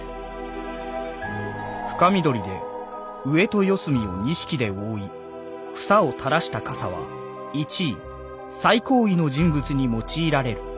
「深緑で上と四隅を錦で覆い房を垂らした蓋は一位最高位の人物に用いられる」。